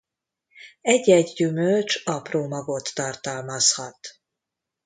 Egy-egy gyümölcs apró magot tartalmazhat.